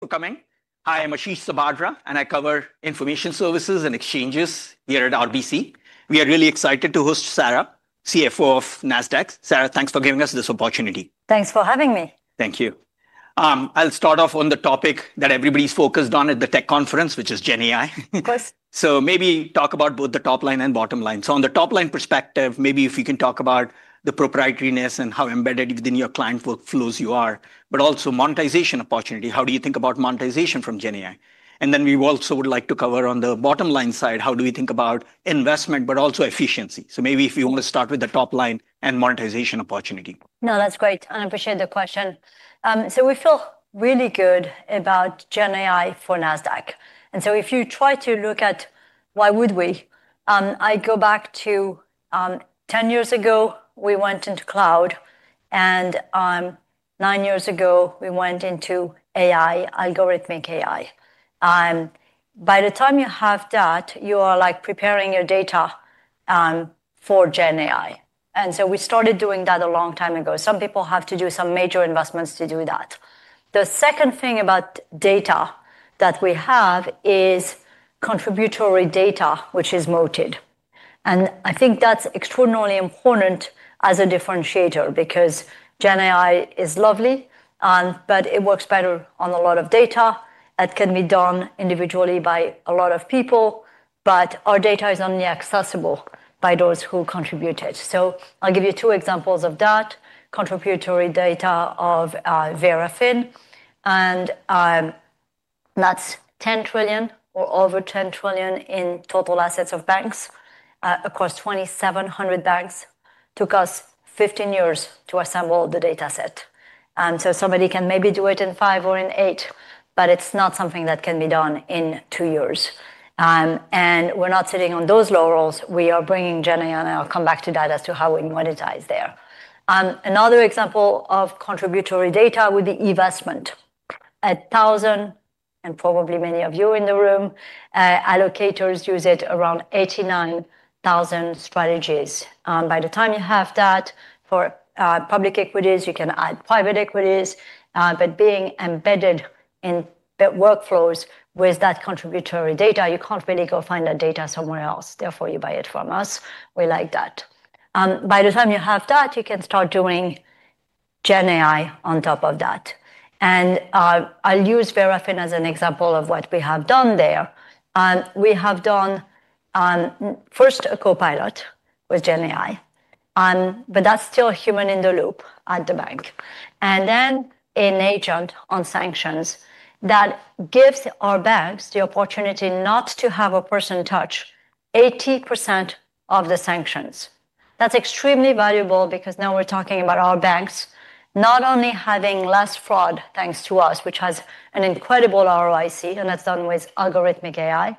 Welcoming. I am Ashish Sabadra, and I cover Information Services and Exchanges here at RBC. We are really excited to host Sarah, CFO of Nasdaq. Sarah, thanks for giving us this opportunity. Thanks for having me. Thank you. I'll start off on the topic that everybody's focused on at the tech conference, which is GenAI. Of course. Maybe talk about both the top line and bottom line. On the top line perspective, maybe if you can talk about the proprietariness and how embedded within your client workflows you are, but also monetization opportunity. How do you think about monetization from GenAI? We also would like to cover on the bottom line side, how do we think about investment, but also efficiency. Maybe if you want to start with the top line and monetization opportunity. No, that's great. I appreciate the question. We feel really good about GenAI for Nasdaq. If you try to look at why would we, I go back to 10 years ago, we went into cloud, and nine years ago, we went into AI, algorithmic AI. By the time you have that, you are like preparing your data for GenAI. We started doing that a long time ago. Some people have to do some major investments to do that. The second thing about data that we have is contributory data, which is moated. I think that's extraordinarily important as a differentiator because GenAI is lovely, but it works better on a lot of data. It can be done individually by a lot of people, but our data is only accessible by those who contributed. I'll give you two examples of that. Contributory data of Verafin, and that's $10 trillion or over $10 trillion in total assets of banks across 2,700 banks. It took us 15 years to assemble the data set. Somebody can maybe do it in five or in eight, but it's not something that can be done in two years. We're not sitting on those laurels. We are bringing GenAI, and I'll come back to that as to how we monetize there. Another example of contributory data would be eVestment. A thousand, and probably many of you in the room, allocators use it around 89,000 strategies. By the time you have that for public equities, you can add private equities, but being embedded in the workflows with that contributory data, you can't really go find that data somewhere else. Therefore, you buy it from us. We like that. By the time you have that, you can start doing GenAI on top of that. I'll use Verafin as an example of what we have done there. We have done first a copilot with GenAI, but that's still human in the loop at the bank, and then an agent on sanctions that gives our banks the opportunity not to have a person touch 80% of the sanctions. That's extremely valuable because now we're talking about our banks not only having less fraud thanks to us, which has an incredible ROIC, and that's done with algorithmic AI,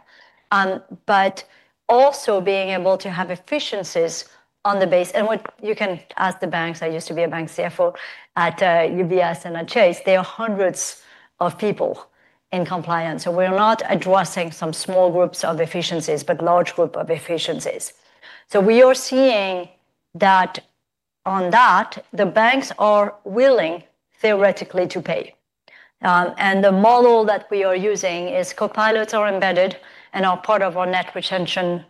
but also being able to have efficiencies on the base. What you can... As the banks, I used to be a bank CFO at UBS and at Chase. There are hundreds of people in compliance. We're not addressing some small groups of efficiencies, but a large group of efficiencies. We are seeing that on that, the banks are willing theoretically to pay. The model that we are using is copilots are embedded and are part of our net retention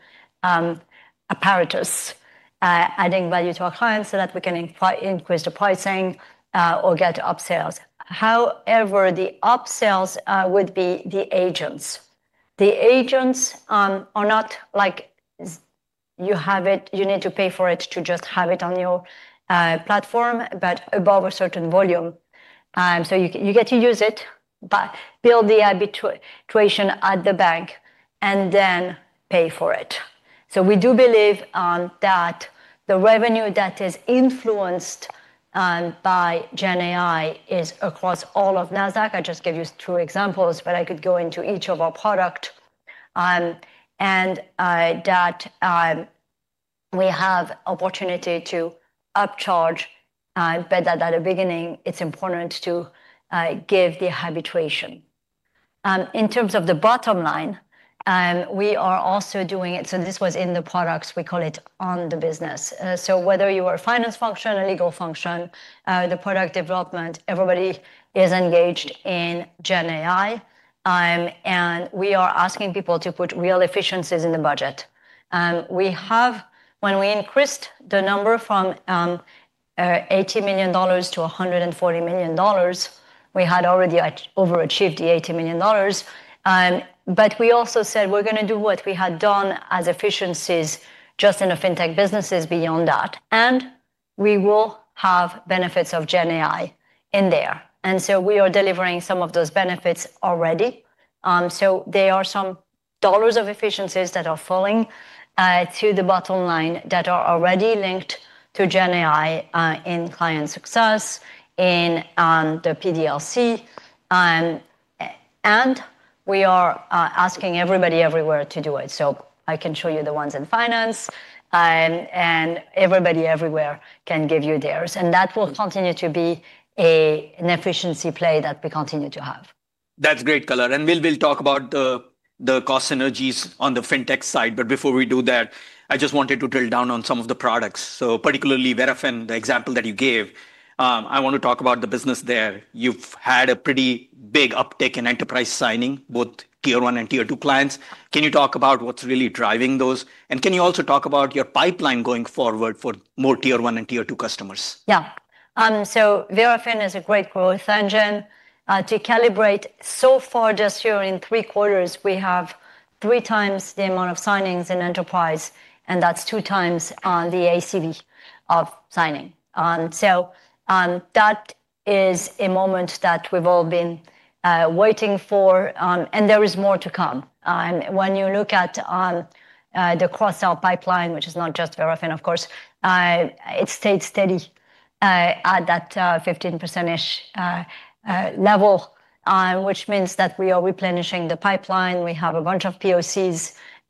apparatus, adding value to our clients so that we can increase the pricing or get upsales. However, the upsales would be the agents. The agents are not like you have it, you need to pay for it to just have it on your platform, but above a certain volume. You get to use it, build the arbitration at the bank, and then pay for it. We do believe that the revenue that is influenced by GenAI is across all of Nasdaq. I just gave you two examples, but I could go into each of our products and that we have the opportunity to upcharge, but that at the beginning, it's important to give the arbitration. In terms of the bottom line, we are also doing it, so this was in the products, we call it on the business. Whether you are a finance function, a legal function, the product development, everybody is engaged in GenAI, and we are asking people to put real efficiencies in the budget. When we increased the number from $80 million to $140 million, we had already overachieved the $80 million. We also said we are going to do what we had done as efficiencies just in the fintech businesses beyond that, and we will have benefits of GenAI in there. We are delivering some of those benefits already. There are some dollars of efficiencies that are falling to the bottom line that are already linked to GenAI in client success, in the PDLC, and we are asking everybody everywhere to do it. I can show you the ones in finance, and everybody everywhere can give you theirs. That will continue to be an efficiency play that we continue to have. That's great, color. We'll talk about the cost synergies on the fintech side, but before we do that, I just wanted to drill down on some of the products. Particularly Verafin, the example that you gave, I want to talk about the business there. You've had a pretty big uptick in enterprise signing, both tier one and tier two clients. Can you talk about what's really driving those? Can you also talk about your pipeline going forward for more tier one and tier two customers? Yeah. Verafin is a great growth engine to calibrate. So far, just here in three quarters, we have three times the amount of signings in enterprise, and that's two times the ACV of signing. That is a moment that we've all been waiting for, and there is more to come. When you look at the cross-sell pipeline, which is not just Verafin, of course, it stayed steady at that 15%-ish level, which means that we are replenishing the pipeline. We have a bunch of POCs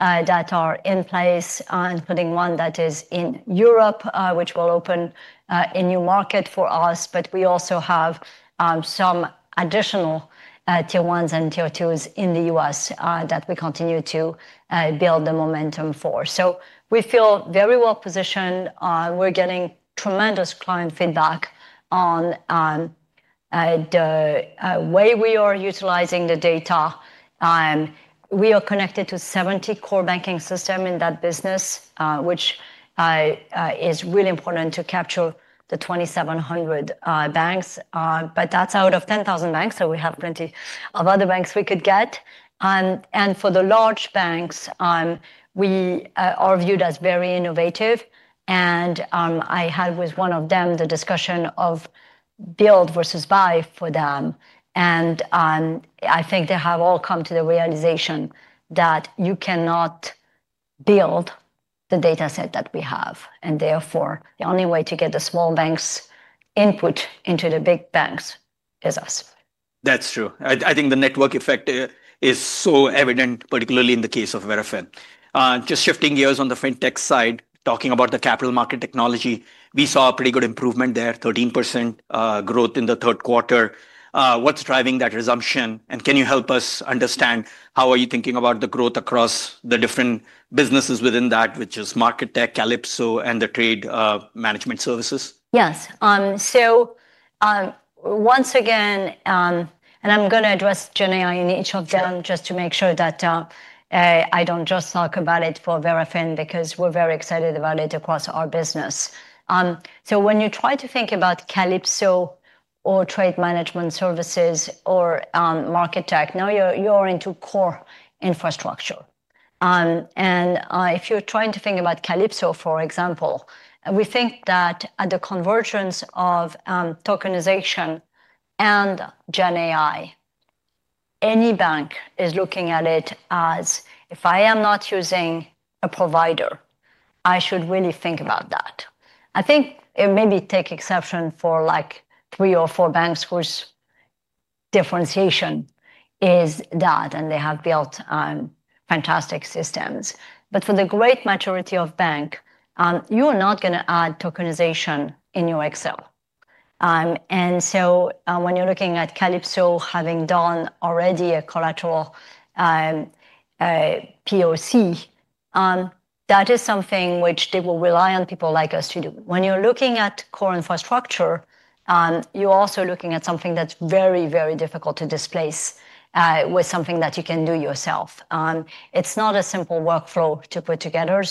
that are in place, including one that is in Europe, which will open a new market for us, but we also have some additional tier ones and tier twos in the U.S. that we continue to build the momentum for. We feel very well positioned. We're getting tremendous client feedback on the way we are utilizing the data. We are connected to 70 core banking systems in that business, which is really important to capture the 2,700 banks, but that's out of 10,000 banks, so we have plenty of other banks we could get. For the large banks, we are viewed as very innovative, and I had with one of them the discussion of build versus buy for them. I think they have all come to the realization that you cannot build the data set that we have, and therefore the only way to get the small banks' input into the big banks is us. That's true. I think the network effect is so evident, particularly in the case of Verafin. Just shifting gears on the fintech side, talking about the capital market technology, we saw a pretty good improvement there, 13% growth in the third quarter. What's driving that resumption? Can you help us understand how are you thinking about the growth across the different businesses within that, which is market tech, Calypso, and the trade management services? Yes. Once again, and I'm going to address GenAI in each of them just to make sure that I don't just talk about it for Verafin because we're very excited about it across our business. When you try to think about Calypso or trade management services or market tech, now you're into core infrastructure. If you're trying to think about Calypso, for example, we think that at the convergence of tokenization and GenAI, any bank is looking at it as if I am not using a provider, I should really think about that. I think maybe take exception for like three or four banks whose differentiation is that, and they have built fantastic systems. For the great majority of banks, you are not going to add tokenization in your Excel. When you're looking at Calypso having done already a collateral POC, that is something which they will rely on people like us to do. When you're looking at core infrastructure, you're also looking at something that's very, very difficult to displace with something that you can do yourself. It's not a simple workflow to put together.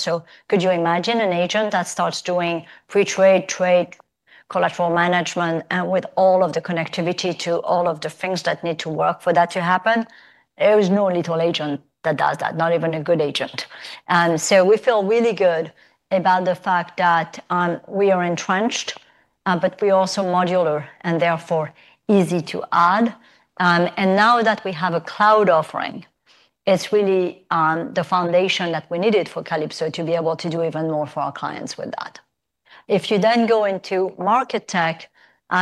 Could you imagine an agent that starts doing pre-trade, trade, collateral management, and with all of the connectivity to all of the things that need to work for that to happen? There is no little agent that does that, not even a good agent. We feel really good about the fact that we are entrenched, but we are also modular and therefore easy to add. Now that we have a cloud offering, it's really the foundation that we needed for Calypso to be able to do even more for our clients with that. If you then go into market tech, we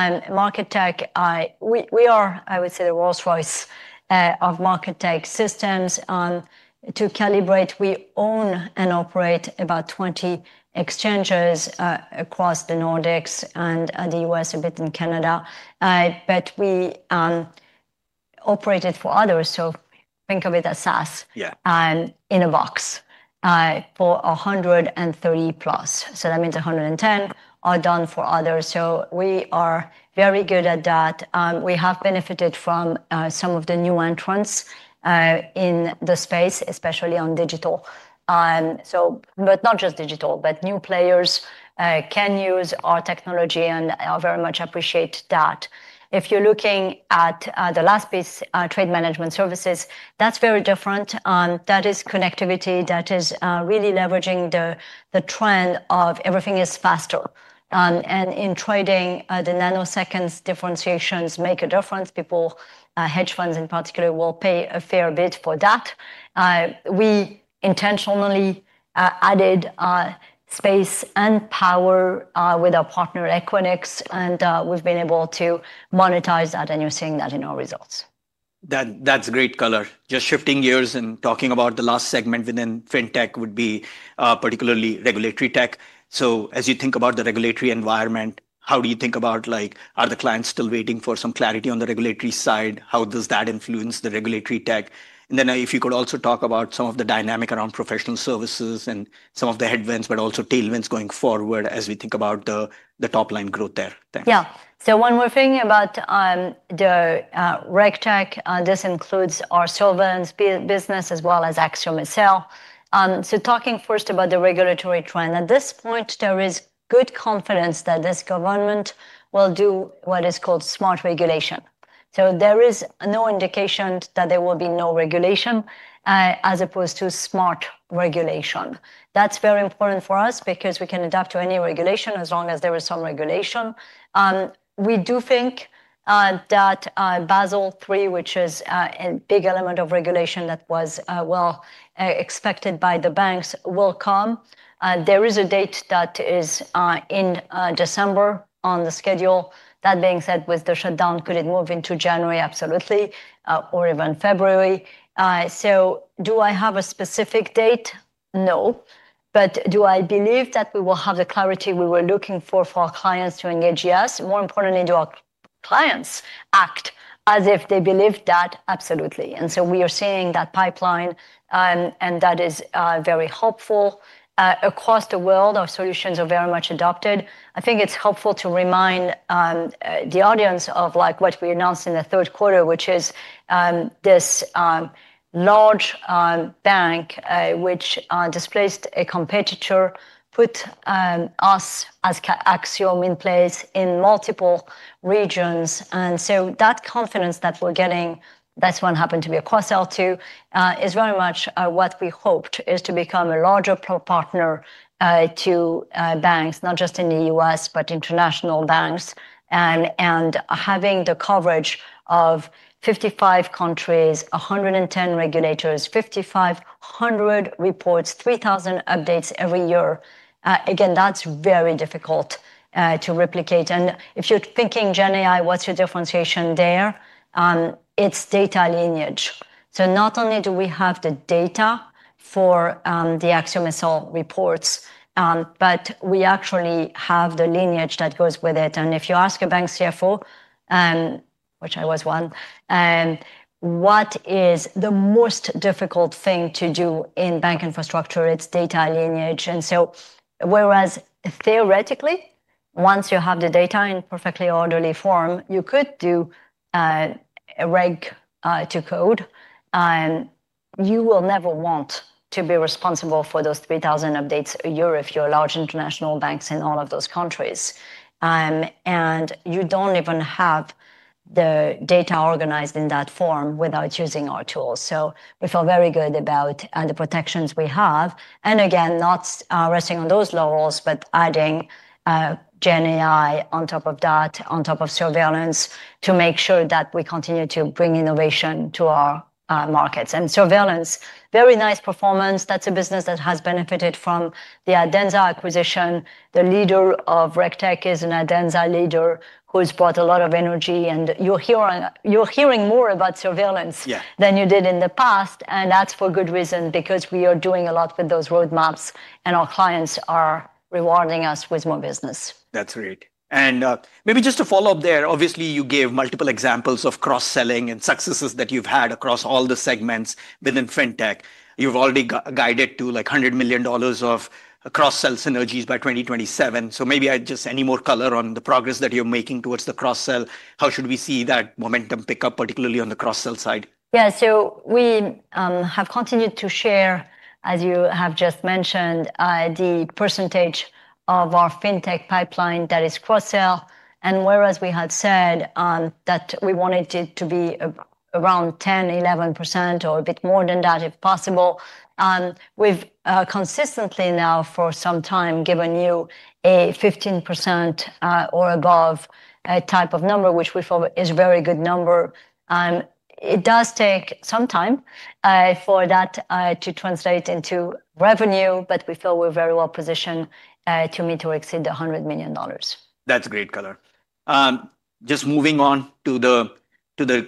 are, I would say, the Rolls-Royce of market tech systems. To calibrate, we own and operate about 20 exchanges across the Nordics and the U.S., a bit in Canada, but we operate it for others. Think of it as SaaS in a box for 130 plus. That means 110 are done for others. We are very good at that. We have benefited from some of the new entrants in the space, especially on digital. Not just digital, but new players can use our technology and very much appreciate that. If you're looking at the last piece, trade management services, that's very different. That is connectivity that is really leveraging the trend of everything is faster. And in trading, the nanoseconds differentiations make a difference. People, hedge funds in particular, will pay a fair bit for that. We intentionally added space and power with our partner Equinix, and we've been able to monetize that, and you're seeing that in our results. That's great, color. Just shifting gears and talking about the last segment within fintech would be particularly regulatory tech. As you think about the regulatory environment, how do you think about, are the clients still waiting for some clarity on the regulatory side? How does that influence the regulatory tech? If you could also talk about some of the dynamic around professional services and some of the headwinds, but also tailwinds going forward as we think about the top line growth there. Yeah. So one more thing about the RegTech, this includes our Solovis business as well as AxiomSL itself. Talking first about the regulatory trend, at this point, there is good confidence that this government will do what is called smart regulation. There is no indication that there will be no regulation as opposed to smart regulation. That is very important for us because we can adapt to any regulation as long as there is some regulation. We do think that Basel III, which is a big element of regulation that was well expected by the banks, will come. There is a date that is in December on the schedule. That being said, with the shutdown, could it move into January? Absolutely, or even February. Do I have a specific date? No. Do I believe that we will have the clarity we were looking for for our clients to engage? Yes. More importantly, do our clients act as if they believe that? Absolutely. We are seeing that pipeline, and that is very hopeful. Across the world, our solutions are very much adopted. I think it's helpful to remind the audience of what we announced in the third quarter, which is this large bank which displaced a competitor, put us as AxiomSL in place in multiple regions. That confidence that we're getting, that's what happened to be a cross-sell too, is very much what we hoped is to become a larger partner to banks, not just in the U.S., but international banks, and having the coverage of 55 countries, 110 regulators, 5,500 reports, 3,000 updates every year. Again, that's very difficult to replicate. If you're thinking GenAI, what's your differentiation there? It's data lineage. Not only do we have the data for the AxiomSL reports, but we actually have the lineage that goes with it. If you ask a bank CFO, which I was one, what is the most difficult thing to do in bank infrastructure? It's data lineage. Theoretically, once you have the data in perfectly orderly form, you could do a reg to code. You will never want to be responsible for those 3,000 updates a year if you're large international banks in all of those countries. You do not even have the data organized in that form without using our tools. We feel very good about the protections we have. Not resting on those laurels, but adding GenAI on top of that, on top of surveillance to make sure that we continue to bring innovation to our markets. Surveillance, very nice performance. That's a business that has benefited from the Adenza acquisition. The leader of RegTech is an Adenza leader who's brought a lot of energy. You're hearing more about surveillance than you did in the past. That's for good reason because we are doing a lot with those roadmaps, and our clients are rewarding us with more business. That's great. Maybe just to follow up there, obviously you gave multiple examples of cross-selling and successes that you've had across all the segments within fintech. You've already guided to like $100 million of cross-sell synergies by 2027. Maybe just any more color on the progress that you're making towards the cross-sell. How should we see that momentum pick up, particularly on the cross-sell side? Yeah. We have continued to share, as you have just mentioned, the percentage of our fintech pipeline that is cross-sell. Whereas we had said that we wanted it to be around 10-11% or a bit more than that if possible, we have consistently now for some time given you a 15% or above type of number, which we feel is a very good number. It does take some time for that to translate into revenue, but we feel we are very well positioned to meet or exceed the $100 million. That's great, color. Just moving on to the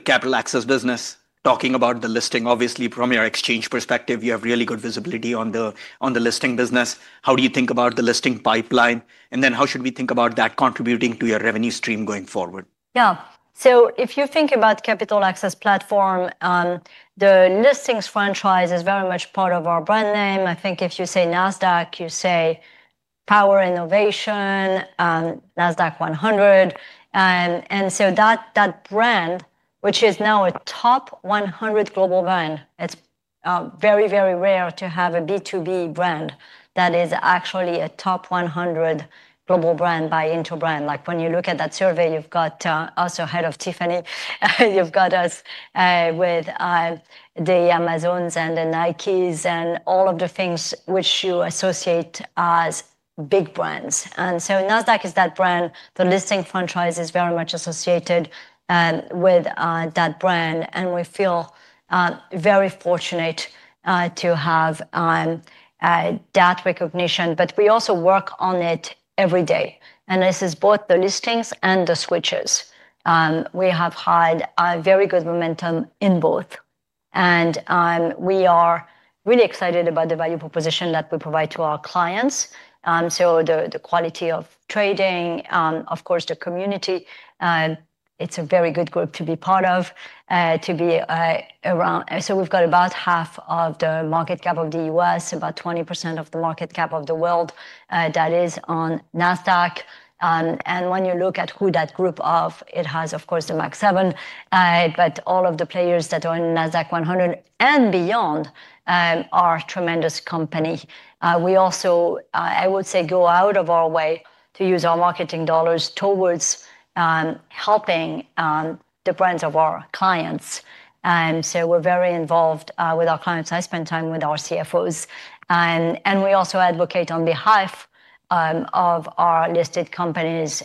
capital access business, talking about the listing, obviously from your exchange perspective, you have really good visibility on the listing business. How do you think about the listing pipeline? How should we think about that contributing to your revenue stream going forward? Yeah. If you think about capital access platform, the listings franchise is very much part of our brand name. I think if you say Nasdaq, you say power innovation, NASDAQ-100. That brand, which is now a top 100 global brand, is very, very rare to have a B2B brand that is actually a top 100 global brand by Interbrand. When you look at that survey, you have us, ahead of Tiffany, you have us with the Amazons and the Nikes and all of the things which you associate as big brands. Nasdaq is that brand. The listing franchise is very much associated with that brand. We feel very fortunate to have that recognition. We also work on it every day. This is both the listings and the switches. We have had very good momentum in both. We are really excited about the value proposition that we provide to our clients. The quality of trading, of course, the community, it's a very good group to be part of, to be around. We have about half of the market cap of the U.S., about 20% of the market cap of the world that is on Nasdaq. When you look at who that group of, it has, of course, the Max 7, but all of the players that are in NASDAQ-100 and beyond are tremendous company. We also, I would say, go out of our way to use our marketing dollars towards helping the brands of our clients. We are very involved with our clients. I spend time with our CFOs. We also advocate on behalf of our listed companies,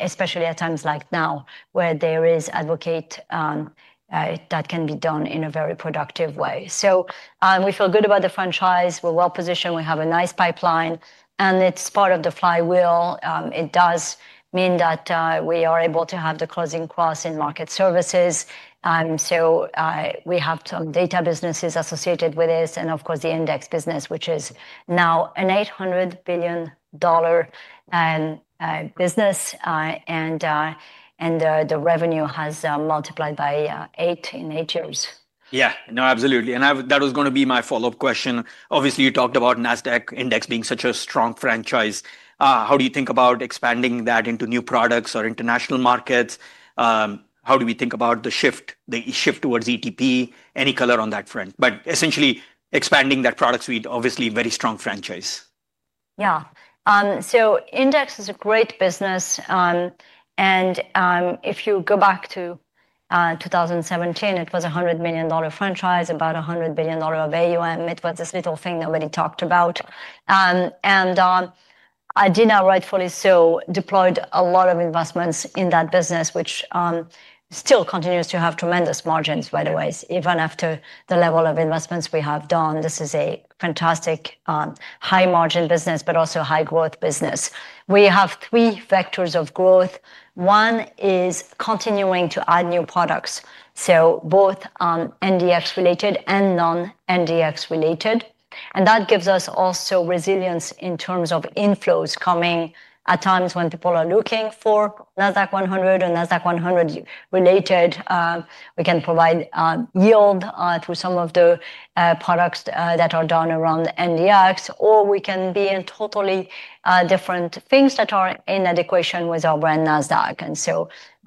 especially at times like now where there is advocate that can be done in a very productive way. We feel good about the franchise. We're well positioned. We have a nice pipeline, and it's part of the flywheel. It does mean that we are able to have the closing cross in market services. We have some data businesses associated with this and, of course, the index business, which is now an $800 billion business, and the revenue has multiplied by eight in eight years. Yeah, no, absolutely. That was going to be my follow-up question. Obviously, you talked about NASDAQ Index being such a strong franchise. How do you think about expanding that into new products or international markets? How do we think about the shift, the shift towards ETP? Any color on that front? Essentially expanding that product suite, obviously very strong franchise. Yeah. Index is a great business. If you go back to 2017, it was a $100 million franchise, about $100 billion of AUM. It was this little thing nobody talked about. Adena, rightfully so, deployed a lot of investments in that business, which still continues to have tremendous margins, by the way, even after the level of investments we have done. This is a fantastic high-margin business, but also high-growth business. We have three vectors of growth. One is continuing to add new products, so both NDX-related and non-NDX-related. That gives us also resilience in terms of inflows coming at times when people are looking for NASDAQ-100 or NASDAQ-100-related. We can provide yield through some of the products that are done around NDX, or we can be in totally different things that are in adequation with our brand Nasdaq.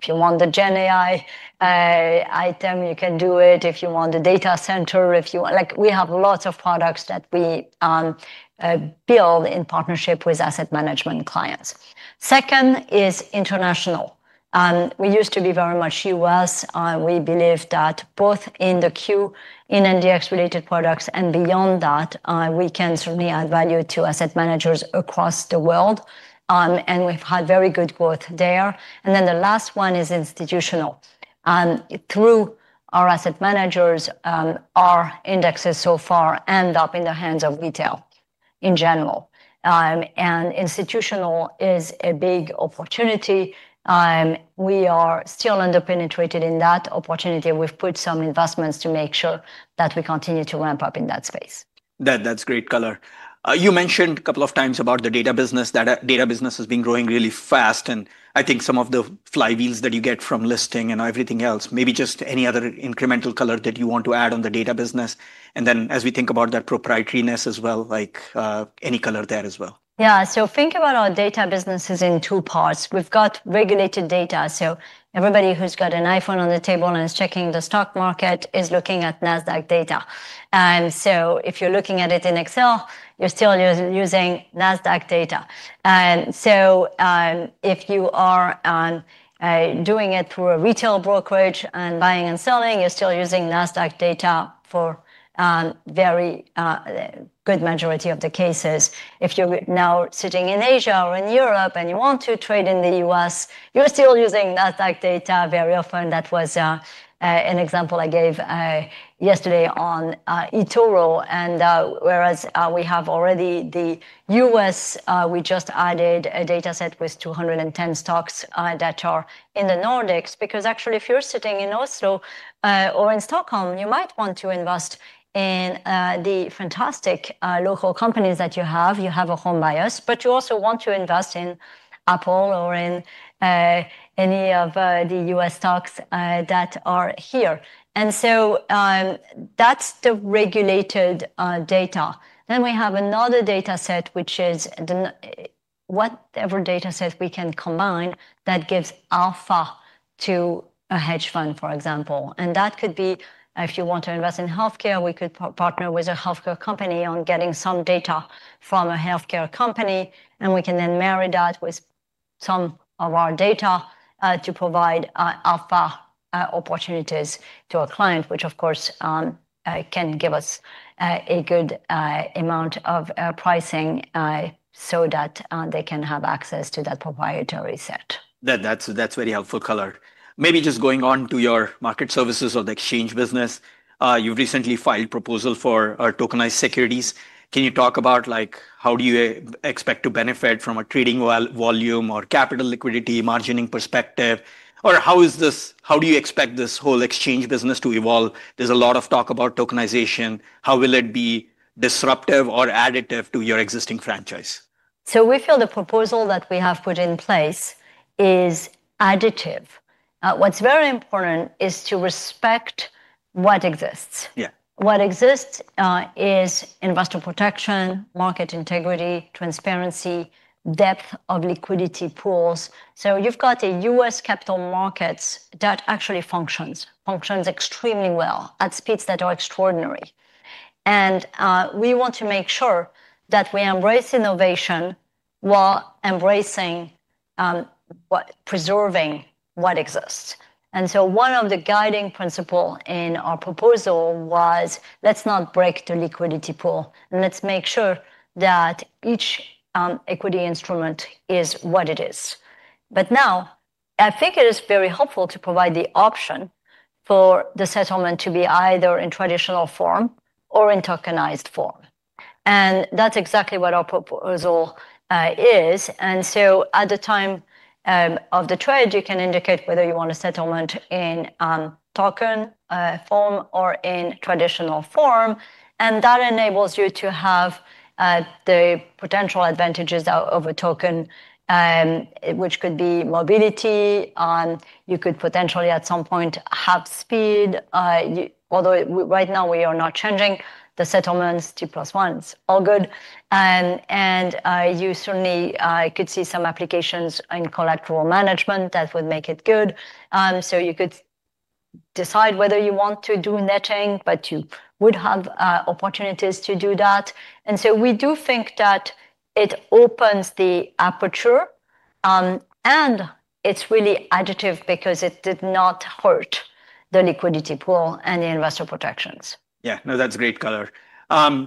If you want the GenAI item, you can do it. If you want the data center, if you want, like we have lots of products that we build in partnership with asset management clients. Second is international. We used to be very much U.S. We believe that both in the queue in NDX-related products and beyond that, we can certainly add value to asset managers across the world. We have had very good growth there. The last one is institutional. Through our asset managers, our indexes so far end up in the hands of retail in general. Institutional is a big opportunity. We are still under-penetrated in that opportunity. We have put some investments to make sure that we continue to ramp up in that space. That's great, color. You mentioned a couple of times about the data business, that data business has been growing really fast. I think some of the flywheels that you get from listing and everything else, maybe just any other incremental color that you want to add on the data business. As we think about that proprietariness as well, like any color there as well. Yeah. Think about our data businesses in two parts. We've got regulated data. Everybody who's got an iPhone on the table and is checking the stock market is looking at Nasdaq Data. If you're looking at it in Excel, you're still using Nasdaq Data. If you are doing it through a retail brokerage and buying and selling, you're still using Nasdaq Data for a very good majority of the cases. If you're now sitting in Asia or in Europe and you want to trade in the U.S., you're still using Nasdaq Data very often. That was an example I gave yesterday on eToro. Whereas we have already the U.S., we just added a data set with 210 stocks that are in the Nordics, because actually if you are sitting in Oslo or in Stockholm, you might want to invest in the fantastic local companies that you have. You have a home bias, but you also want to invest in Apple or in any of the U.S. stocks that are here. That is the regulated data. We have another data set, which is whatever data set we can combine that gives alpha to a hedge fund, for example. That could be, if you want to invest in healthcare, we could partner with a healthcare company on getting some data from a healthcare company. We can then marry that with some of our data to provide alpha opportunities to our client, which of course can give us a good amount of pricing so that they can have access to that proprietary set. That's very helpful, color. Maybe just going on to your market services or the exchange business. You've recently filed a proposal for tokenized securities. Can you talk about how do you expect to benefit from a trading volume or capital liquidity margining perspective? Or how do you expect this whole exchange business to evolve? There's a lot of talk about tokenization. How will it be disruptive or additive to your existing franchise? We feel the proposal that we have put in place is additive. What's very important is to respect what exists. What exists is investor protection, market integrity, transparency, depth of liquidity pools. You have a U.S. capital markets that actually functions, functions extremely well at speeds that are extraordinary. We want to make sure that we embrace innovation while preserving what exists. One of the guiding principles in our proposal was, let's not break the liquidity pool. Let's make sure that each equity instrument is what it is. Now I think it is very helpful to provide the option for the settlement to be either in traditional form or in tokenized form. That's exactly what our proposal is. At the time of the trade, you can indicate whether you want a settlement in token form or in traditional form. That enables you to have the potential advantages over token, which could be mobility. You could potentially at some point have speed, although right now we are not changing the settlements to plus ones. All good. You certainly could see some applications in collateral management that would make it good. You could decide whether you want to do netting, but you would have opportunities to do that. We do think that it opens the aperture. It is really additive because it did not hurt the liquidity pool and the investor protections. Yeah, no, that's great, color.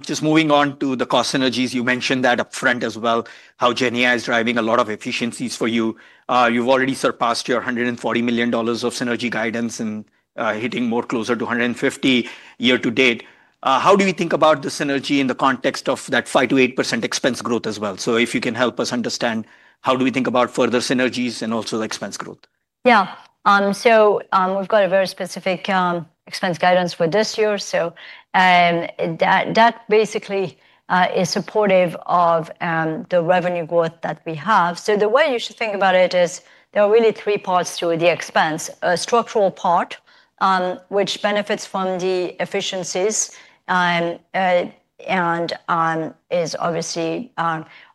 Just moving on to the cost synergies, you mentioned that upfront as well, how GenAI is driving a lot of efficiencies for you. You've already surpassed your $140 million of synergy guidance and hitting more closer to $150 million year to date. How do you think about the synergy in the context of that 5-8% expense growth as well? If you can help us understand, how do we think about further synergies and also the expense growth? Yeah. We have a very specific expense guidance for this year. That basically is supportive of the revenue growth that we have. The way you should think about it is there are really three parts to the expense. A structural part, which benefits from the efficiencies and is obviously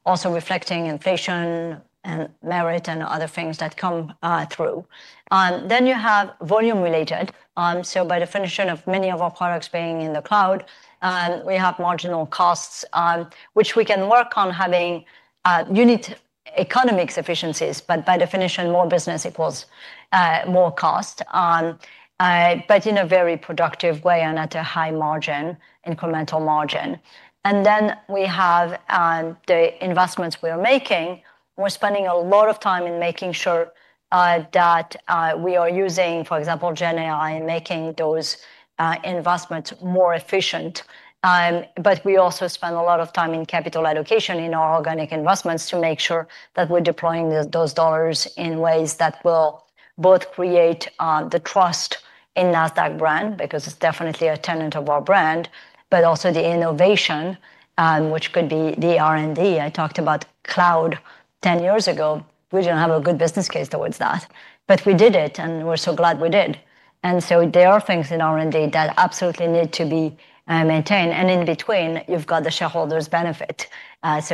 also reflecting inflation and merit and other things that come through. You have volume related. By definition of many of our products being in the cloud, we have marginal costs, which we can work on having unit economics efficiencies, but by definition, more business equals more cost, but in a very productive way and at a high margin, incremental margin. We have the investments we are making. We're spending a lot of time in making sure that we are using, for example, GenAI in making those investments more efficient. We also spend a lot of time in capital allocation in our organic investments to make sure that we're deploying those dollars in ways that will both create the trust in the Nasdaq brand, because it's definitely a tenet of our brand, but also the innovation, which could be the R&D. I talked about cloud 10 years ago. We didn't have a good business case towards that, but we did it and we're so glad we did. There are things in R&D that absolutely need to be maintained. In between, you've got the shareholders' benefit.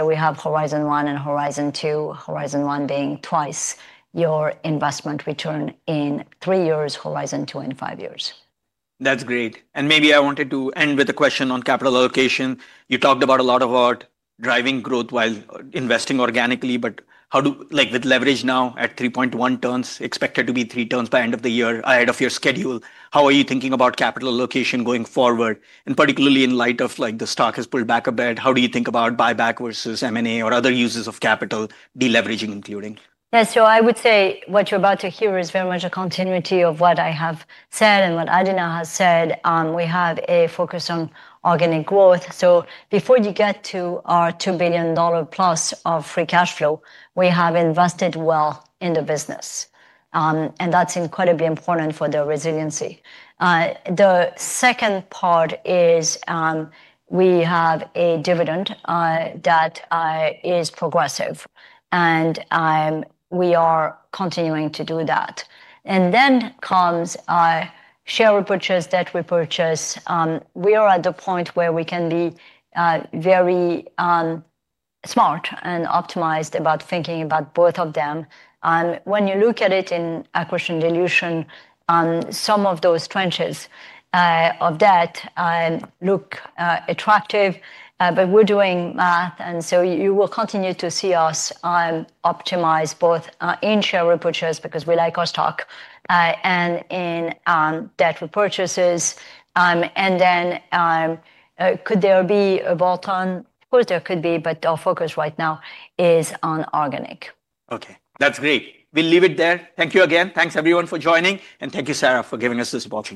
We have Horizon One and Horizon Two, Horizon One being twice your investment return in three years, Horizon Two in five years. That's great. Maybe I wanted to end with a question on capital allocation. You talked a lot about driving growth while investing organically, but how do, like with leverage now at 3.1 turns, expected to be 3 turns by end of the year ahead of your schedule, how are you thinking about capital allocation going forward? Particularly in light of, like, the stock has pulled back a bit, how do you think about buyback versus M&A or other uses of capital, deleveraging included? Yeah, I would say what you're about to hear is very much a continuity of what I have said and what Adena has said. We have a focus on organic growth. Before you get to our $2 billion plus of free cash flow, we have invested well in the business. That's incredibly important for the resiliency. The second part is we have a dividend that is progressive. We are continuing to do that. Then comes share repurchase, debt repurchase. We are at the point where we can be very smart and optimized about thinking about both of them. When you look at it in accretion dilution, some of those trenches of debt look attractive, but we're doing math. You will continue to see us optimize both in share repurchase because we like our stock and in debt repurchases. There could be a bolt-on. Of course there could be, but our focus right now is on organic. Okay, that's great. We'll leave it there. Thank you again. Thanks everyone for joining. Thank you, Sarah, for giving us this ballpark.